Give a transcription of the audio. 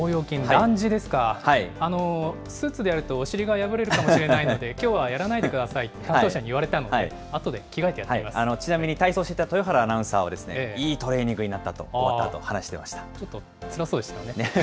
スーツでやるとお尻が破れるかもしれないので、きょうはやらないでくださいといわれたので、ちなみに体操をしていた豊原アナウンサーは、いいトレーニングになったと、終わったあと、話ちょっとつらそうでしたね。